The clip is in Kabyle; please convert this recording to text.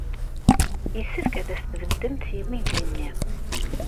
Yessefk ad as-tbeddemt i weydi-nni.